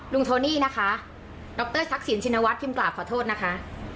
ลุงโทนี่นะคะดรศักดิ์ศิลป์ชินวัฒน์พิมป์กราบขอโทษนะคะ